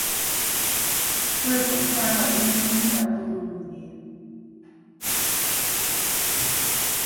To je postalo del kulta v Romuniji.